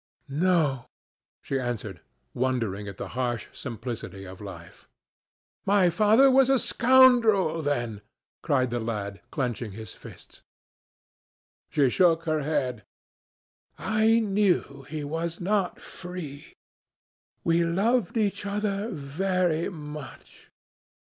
"No," she answered, wondering at the harsh simplicity of life. "My father was a scoundrel then!" cried the lad, clenching his fists. She shook her head. "I knew he was not free. We loved each other very much.